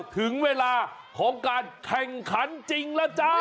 ถึงเวลาของการแข่งขันจริงแล้วจ้า